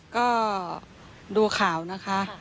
ก็ดูข่าวนะคะ